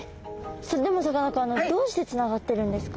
それでもさかなクンどうしてつながってるんですか？